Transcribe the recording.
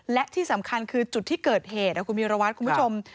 และที่สำคัญคือจุดที่เกิดเหตุคุณวิรวัตรคุณผู้ชม